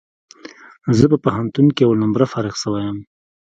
زه په پوهنتون کي اول نمره فارغ سوی یم